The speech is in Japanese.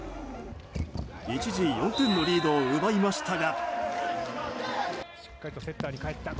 一時４点のリードを奪いましたが。